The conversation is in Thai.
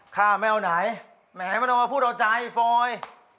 ข้าไม่เอาไหนแหมไม่ต้องมาพูดเอาใจฟอย